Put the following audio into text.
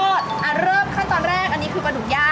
เริ่มขั้นตอนแรกอันนี้คือปลาดุกย่าง